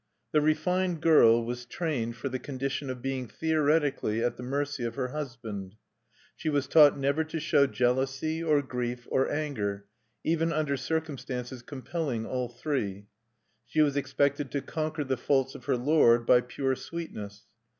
The refined girl was trained for the condition of being theoretically at the mercy of her husband. She was taught never to show jealousy, or grief, or anger, even under circumstances compelling all three; she was expected to conquer the faults of her lord by pure sweetness.